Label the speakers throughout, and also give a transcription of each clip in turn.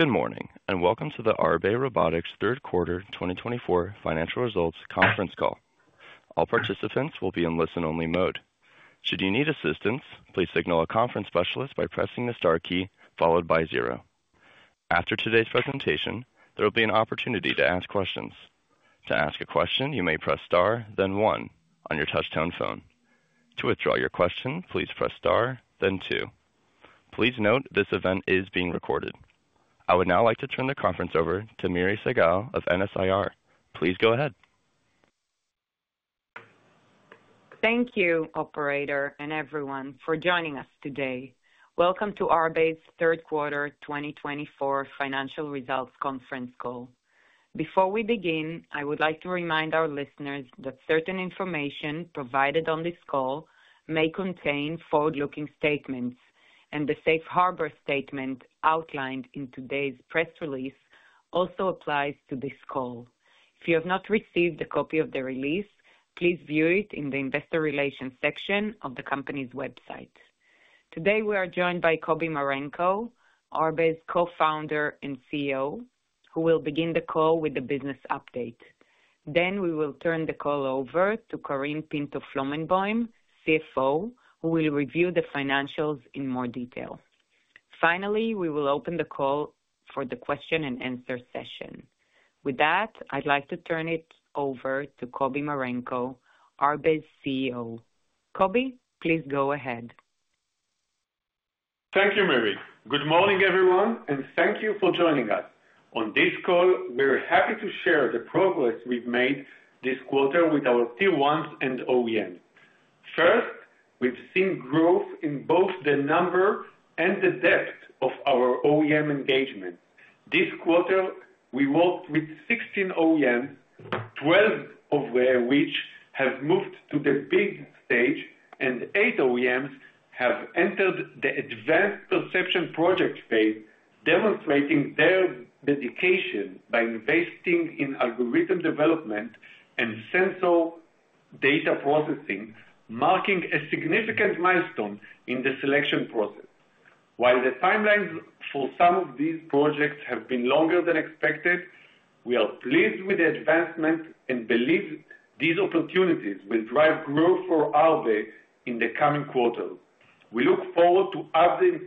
Speaker 1: Good morning, and welcome to the Arbe Robotics Q3 2024 Financial Results Conference Call. All participants will be in listen-only mode. Should you need assistance, please signal a conference specialist by pressing the * key followed by O. After today's presentation, there will be an opportunity to ask questions. To ask a question, you may press *, then 1, on your touch-tone phone. To withdraw your question, please press *, then 2. Please note this event is being recorded. I would now like to turn the conference over to Miri Segal of MS-IR. Please go ahead.
Speaker 2: Thank you, Operator, and everyone, for joining us today. Welcome to Arbe's Q3 2024 Financial Results Conference Call. Before we begin, I would like to remind our listeners that certain information provided on this call may contain forward-looking statements, and the safe harbor statement outlined in today's press release also applies to this call. If you have not received a copy of the release, please view it in the Investor Relations section of the company's website. Today, we are joined by Kobi Marenko, Arbe's co-founder and CEO, who will begin the call with a business update. Then, we will turn the call over to Karine Pinto-Flomenboim, CFO, who will review the financials in more detail. Finally, we will open the call for the question-and-answer session. With that, I'd like to turn it over to Kobi Marenko, Arbe's CEO. Kobi, please go ahead.
Speaker 3: Thank you, Miri. Good morning, everyone, and thank you for joining us. On this call, we're happy to share the progress we've made this quarter with our Tier-1s and OEMs. First, we've seen growth in both the number and the depth of our OEM engagement. This quarter, we worked with 16 OEMs, 12 of which have moved to the big stage, and eight OEMs have entered the Advanced Perception Project phase, demonstrating their dedication by investing in algorithm development and sensor data processing, marking a significant milestone in the selection process. While the timelines for some of these projects have been longer than expected, we are pleased with the advancement and believe these opportunities will drive growth for Arbe in the coming quarters. We look forward to updating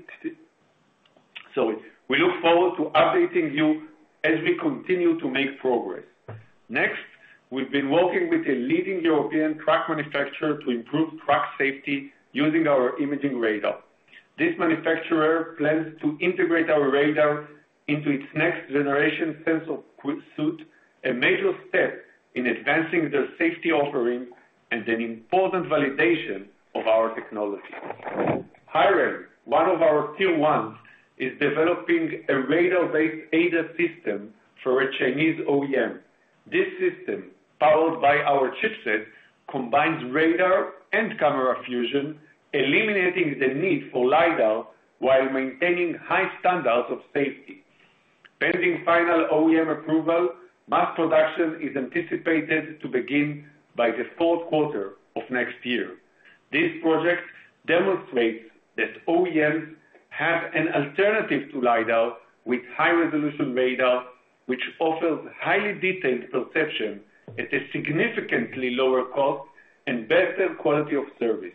Speaker 3: you as we continue to make progress. Next, we've been working with a leading European truck manufacturer to improve truck safety using our imaging radar. This manufacturer plans to integrate our radar into its next-generation sensor suite, a major step in advancing the safety offering and an important validation of our technology. HiRain, one of our Tier-1s, is developing a radar-based ADAS system for a Chinese OEM. This system, powered by our chipset, combines radar and camera fusion, eliminating the need for LiDAR while maintaining high standards of safety. Pending final OEM approval, mass production is anticipated to begin by the Q4 of next year. This project demonstrates that OEMs have an alternative to LiDAR with high-resolution radar, which offers highly detailed perception at a significantly lower cost and better quality of service.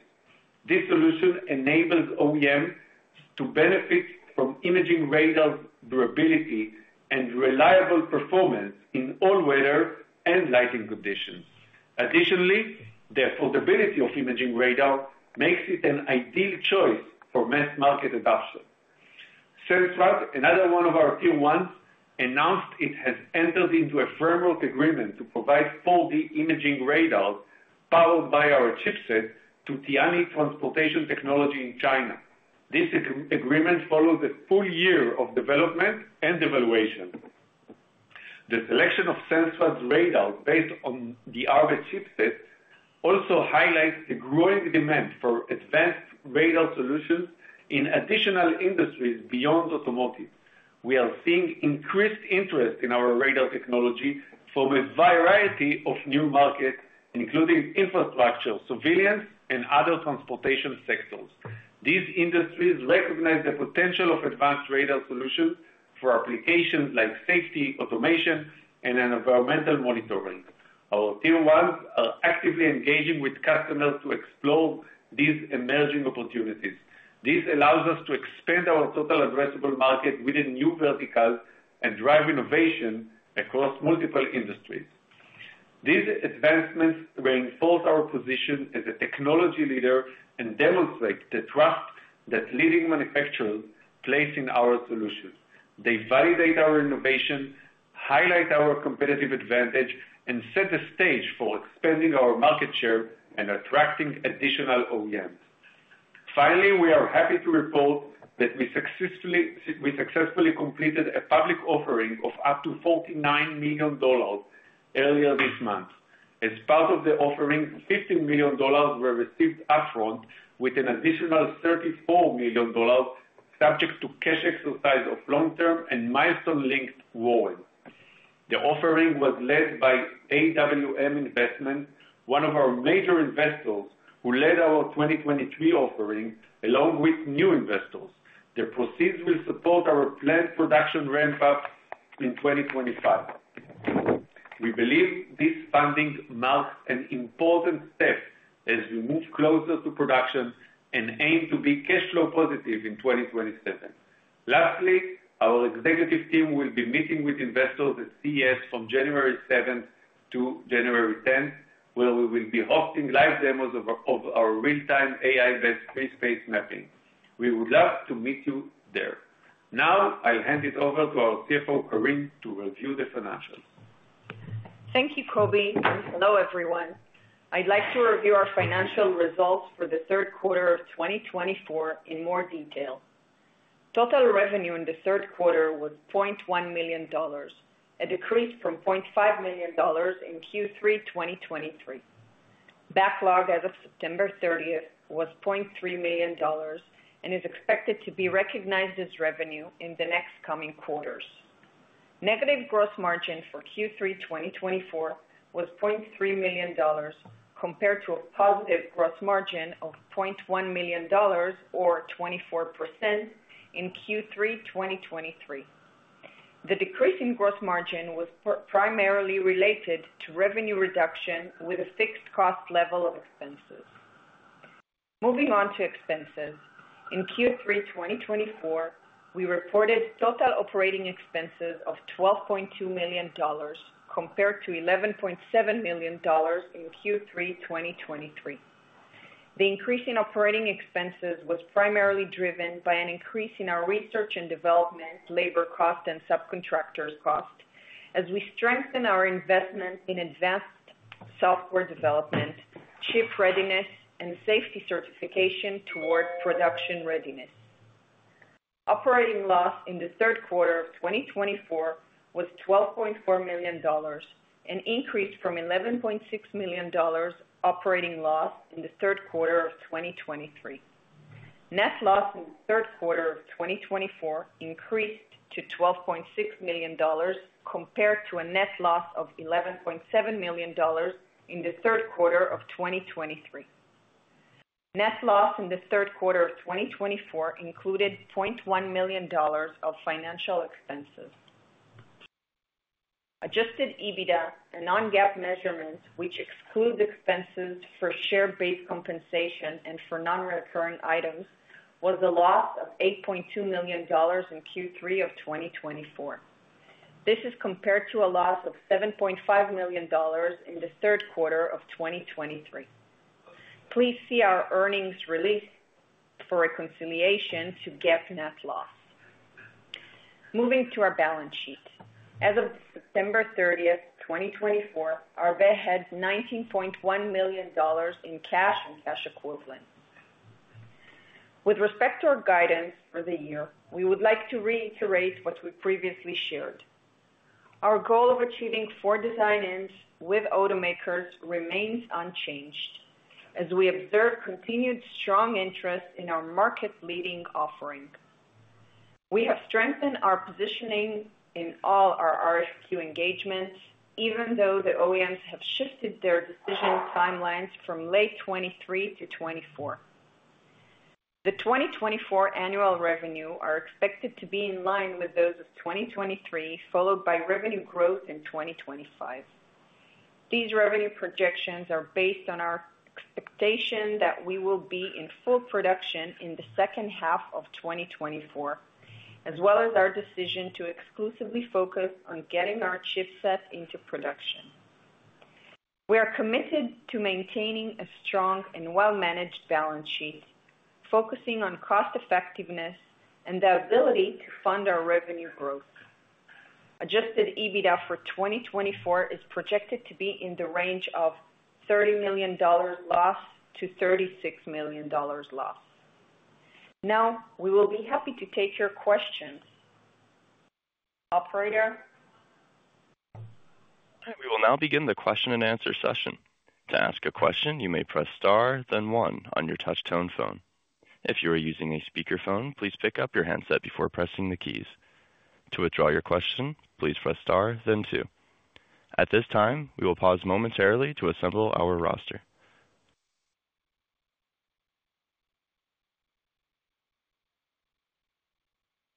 Speaker 3: This solution enables OEMs to benefit from imaging radar's durability and reliable performance in all weather and lighting conditions. Additionally, the affordability of imaging radar makes it an ideal choice for mass market adoption. Sensrad, another one of our Tier-1s, announced it has entered into a framework agreement to provide 4D imaging radars powered by our chipset to Tianyi Transportation Technology in China. This agreement follows a full year of development and evaluation. The selection of Sensrad's radars based on the Arbe chipset also highlights the growing demand for advanced radar solutions in additional industries beyond automotive. We are seeing increased interest in our radar technology from a variety of new markets, including infrastructure, surveillance, and other transportation sectors. These industries recognize the potential of advanced radar solutions for applications like safety, automation, and environmental monitoring. Our Tier-1s are actively engaging with customers to explore these emerging opportunities. This allows us to expand our total addressable market within new verticals and drive innovation across multiple industries. These advancements reinforce our position as a technology leader and demonstrate the trust that leading manufacturers place in our solutions. They validate our innovation, highlight our competitive advantage, and set the stage for expanding our market share and attracting additional OEMs. Finally, we are happy to report that we successfully completed a public offering of up to $49 million earlier this month. As part of the offering, $15 million were received upfront with an additional $34 million, subject to cash exercise of long-term and milestone-linked ROI. The offering was led by AWM Investment, one of our major investors, who led our 2023 offering along with new investors. The proceeds will support our planned production ramp-up in 2025. We believe this funding marks an important step as we move closer to production and aim to be cash flow positive in 2027. Lastly, our executive team will be meeting with investors at CES from January 7 to January 10, where we will be hosting live demos of our real-time AI-based free space mapping. We would love to meet you there. Now, I'll hand it over to our CFO, Karine, to review the financials.
Speaker 4: Thank you, Kobi. Hello, everyone. I'd like to review our financial results for the third quarter of 2024 in more detail. Total revenue in the third quarter was $0.1 million, a decrease from $0.5 million in Q3 2023. Backlog as of September 30 was $0.3 million and is expected to be recognized as revenue in the next coming quarters. Negative gross margin for Q3 2024 was $0.3 million, compared to a positive gross margin of $0.1 million, or 24%, in Q3 2023. The decrease in gross margin was primarily related to revenue reduction with a fixed cost level of expenses. Moving on to expenses, in Q3 2024, we reported total operating expenses of $12.2 million, compared to $11.7 million in Q3 2023. The increase in operating expenses was primarily driven by an increase in our research and development, labor cost and subcontractors cost, as we strengthen our investment in advanced software development, chip readiness, and safety certification toward production readiness. Operating loss in the third quarter of 2024 was $12.4 million, an increase from $11.6 million operating loss in the third quarter of 2023. Net loss in the third quarter of 2024 increased to $12.6 million, compared to a net loss of $11.7 million in the third quarter of 2023. Net loss in the third quarter of 2024 included $0.1 million of financial expenses. Adjusted EBITDA, a non-GAAP measurement which excludes expenses for share-based compensation and for non-recurring items, was a loss of $8.2 million in Q3 of 2024. This is compared to a loss of $7.5 million in third quarter or 2023. Please see our earnings release for reconciliation to GAAP net loss. Moving to our balance sheet. As of September 30, 2024, Arbe had $19.1 million in cash and cash equivalent. With respect to our guidance for the year, we would like to reiterate what we previously shared. Our goal of achieving four design wins with OEMs remains unchanged, as we observe continued strong interest in our market-leading offering. We have strengthened our positioning in all our RFQ engagements, even though the OEMs have shifted their decision timelines from late 2023 to 2024. The 2024 annual revenue is expected to be in line with those of 2023, followed by revenue growth in 2025. These revenue projections are based on our expectation that we will be in full production in the second half of 2024, as well as our decision to exclusively focus on getting our chipset into production. We are committed to maintaining a strong and well-managed balance sheet, focusing on cost-effectiveness and the ability to fund our revenue growth. Adjusted EBITDA for 2024 is projected to be in the range of $30 million loss to $36 million loss. Now, we will be happy to take your questions. Operator.
Speaker 1: We will now begin the question-and-answer session. To ask a question, you may press star, then one, on your touch-tone phone. If you are using a speakerphone, please pick up your handset before pressing the keys. To withdraw your question, please press star, then two. At this time, we will pause momentarily to assemble our roster,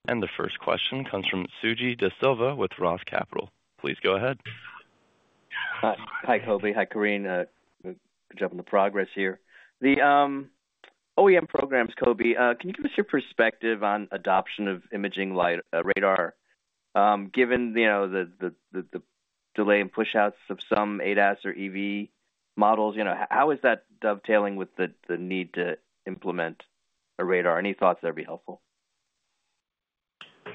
Speaker 1: and the first question comes from Suji DeSilva with Roth Capital. Please go ahead.
Speaker 5: Hi, Kobi. Hi, Karine. Good job on the progress here. The OEM programs, Kobi, can you give us your perspective on adoption of imaging radar, given the delay in push-outs of some ADAS or EV models? How is that dovetailing with the need to implement a radar? Any thoughts that would be helpful?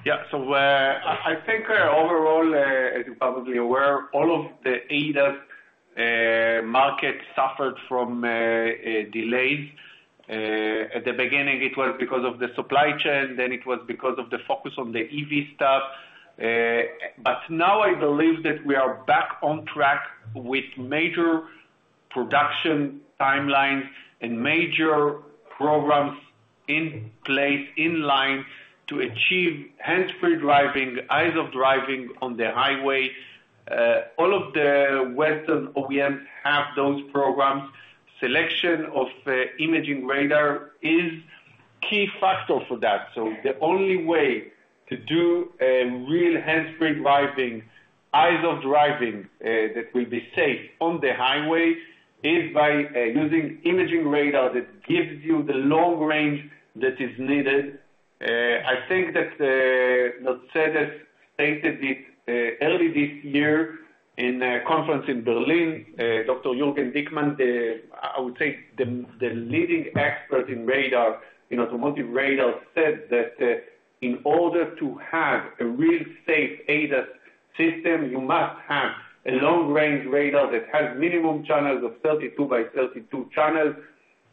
Speaker 3: Yeah. So I think, overall, as you're probably aware, all of the ADAS market suffered from delays. At the beginning, it was because of the supply chain. Then, it was because of the focus on the EV stuff. But now, I believe that we are back on track with major production timelines and major programs in place, in line to achieve hands-free driving, eyes-off driving on the highway. All of the Western OEMs have those programs. Selection of imaging radar is a key factor for that. So the only way to do real hands-free driving, eyes-off driving that will be safe on the highway is by using imaging radar that gives you the long range that is needed. I think that Mercedes stated it early this year in a conference in Berlin. Dr. Jürgen Dickmann, I would say the leading expert in automotive radar, said that in order to have a real safe ADAS system, you must have a long-range radar that has minimum channels of 32 by 32 channels,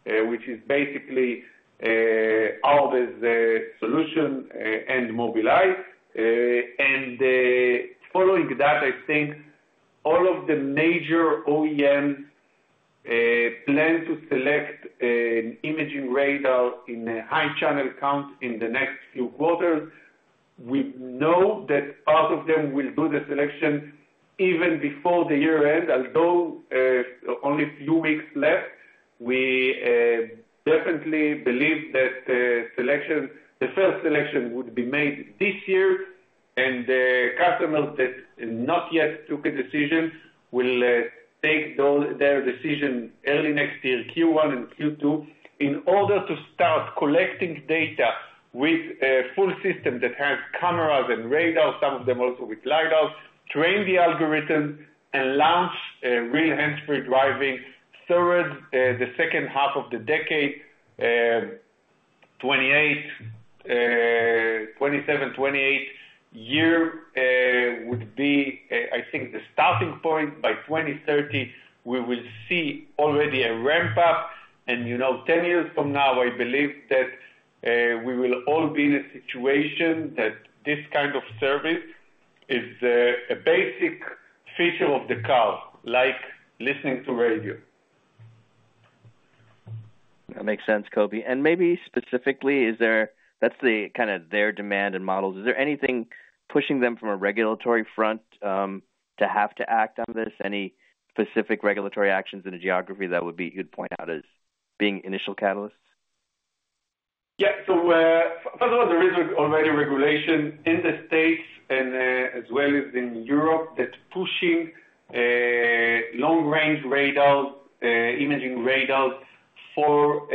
Speaker 3: which is basically Arbe's solution and Mobileye, and following that, I think all of the major OEMs plan to select imaging radar in a high-channel count in the next few quarters. We know that part of them will do the selection even before the year end, although only a few weeks left. We definitely believe that the first selection would be made this year, and customers that have not yet taken a decision will take their decision early next year, Q1 and Q2, in order to start collecting data with a full system that has cameras and radar, some of them also with LiDAR, train the algorithms, and launch real hands-free driving towards the second half of the decade. 2027-2028 year would be, I think, the starting point. By 2030, we will see already a ramp-up. 10 years from now, I believe that we will all be in a situation that this kind of service is a basic feature of the car, like listening to radio.
Speaker 5: That makes sense, Kobi. And maybe specifically, that's kind of their demand and models. Is there anything pushing them from a regulatory front to have to act on this? Any specific regulatory actions in the geography that you'd point out as being initial catalysts?
Speaker 3: Yeah. So first of all, there is already regulation in the States, as well as in Europe, that's pushing long-range radars, imaging radars for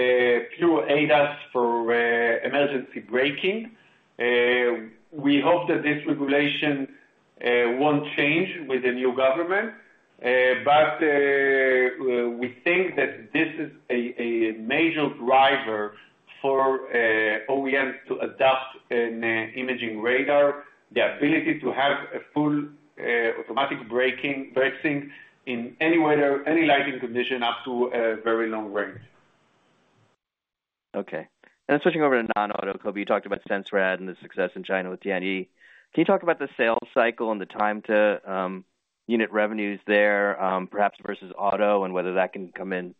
Speaker 3: pure ADAS, for emergency braking. We hope that this regulation won't change with the new government, but we think that this is a major driver for OEMs to adopt an imaging radar, the ability to have a full automatic braking in any weather, any lighting condition, up to a very long range.
Speaker 5: Okay. And then switching over to non-auto, Kobi, you talked about SensRad and the success in China with Tianyi. Can you talk about the sales cycle and the time to unit revenues there, perhaps versus auto, and whether that can come in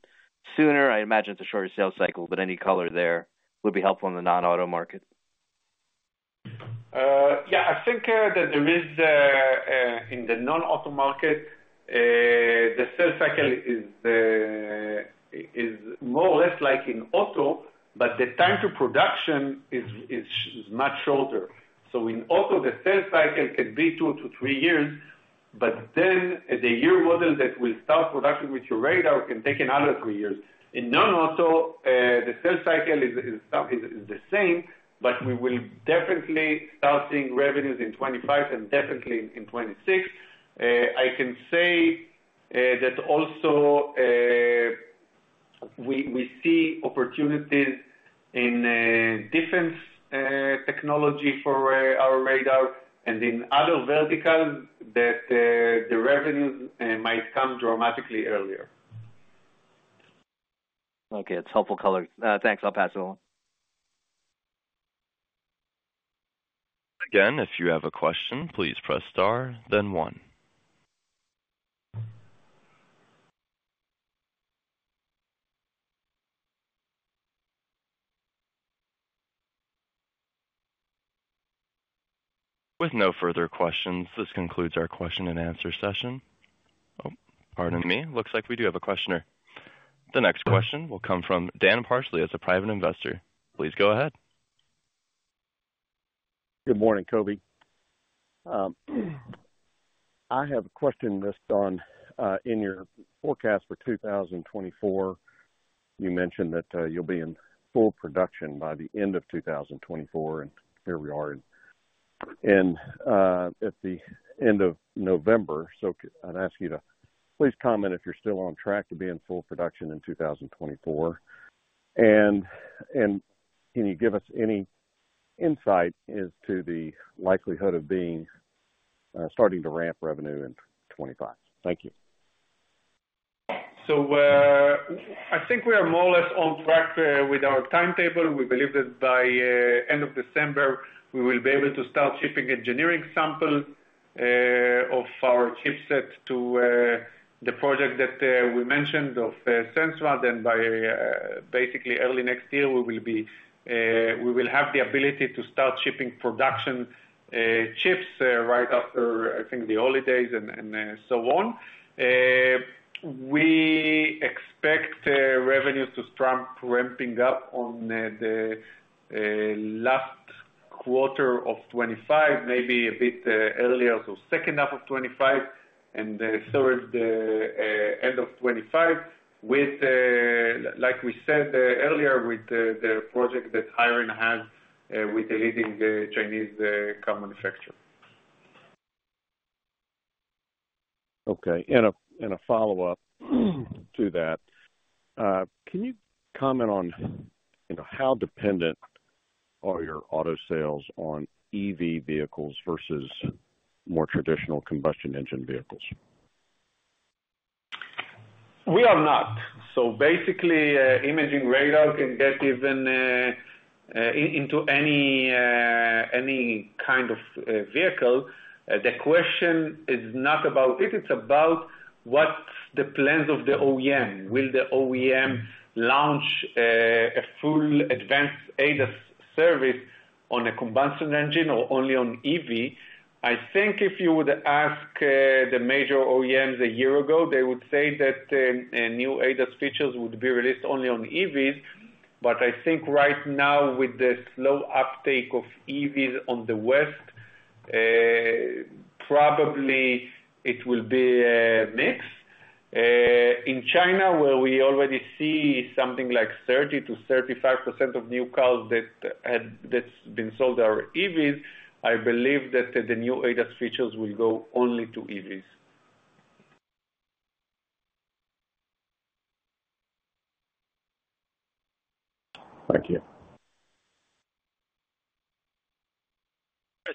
Speaker 5: sooner? I imagine it's a shorter sales cycle, but any color there would be helpful in the non-auto market.
Speaker 3: Yeah. I think that there is, in the non-auto market, the sales cycle is more or less like in auto, but the time to production is much shorter. So in auto, the sales cycle can be two to three years, but then the model year that will start producing with your radar can take another three years. In non-auto, the sales cycle is the same, but we will definitely start seeing revenues in 2025 and definitely in 2026. I can say that also we see opportunities in defense technology for our radar and in other verticals that the revenues might come dramatically earlier.
Speaker 5: Okay. That's helpful color. Thanks. I'll pass it along.
Speaker 1: Again, if you have a question, please press *, then 1. With no further questions, this concludes our question-and-answer session. Oh, pardon me. Looks like we do have a questioner. The next question will come from Dan Parsley as a private investor. Please go ahead.
Speaker 6: Good morning, Kobi. I have a question just on your forecast for 2024. You mentioned that you'll be in full production by the end of 2024, and here we are at the end of November. So I'd ask you to please comment if you're still on track to be in full production in 2024, and can you give us any insight as to the likelihood of starting to ramp revenue in 2025? Thank you.
Speaker 3: So I think we are more or less on track with our timetable. We believe that by the end of December, we will be able to start shipping engineering samples of our chipset to the project that we mentioned of Sensrad. And by basically early next year, we will have the ability to start shipping production chips right after, I think, the holidays and so on. We expect revenues to start ramping up on the last quarter of 2025, maybe a bit earlier, so second half of 2025 and third end of 2025, like we said earlier with the project that HiRain has with the leading Chinese car manufacturer.
Speaker 6: Okay and a follow-up to that. Can you comment on how dependent are your auto sales on EV vehicles versus more traditional combustion engine vehicles?
Speaker 3: We are not. So basically, imaging radar can get even into any kind of vehicle. The question is not about it. It's about what's the plans of the OEM. Will the OEM launch a full advanced ADAS service on a combustion engine or only on EV? I think if you would ask the major OEMs a year ago, they would say that new ADAS features would be released only on EVs. But I think right now, with the slow uptake of EVs on the West, probably it will be a mix. In China, where we already see something like 30%-35% of new cars that's been sold are EVs, I believe that the new ADAS features will go only to EVs.
Speaker 6: Thank you.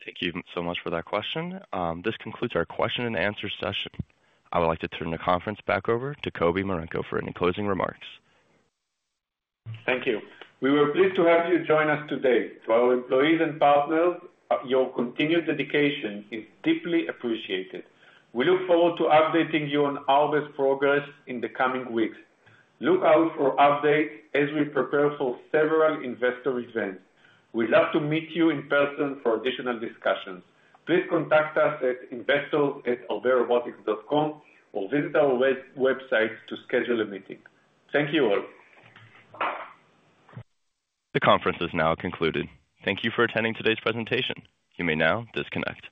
Speaker 1: Thank you so much for that question. This concludes our question-and-answer session. I would like to turn the conference back over to Kobi Marenko for any closing remarks.
Speaker 3: Thank you. We were pleased to have you join us today. To our employees and partners, your continued dedication is deeply appreciated. We look forward to updating you on Arbe's progress in the coming weeks. Look out for updates as we prepare for several investor events. We'd love to meet you in person for additional discussions. Please contact us at investors@arberobotics.com or visit our website to schedule a meeting. Thank you all.
Speaker 1: The conference is now concluded. Thank you for attending today's presentation. You may now disconnect.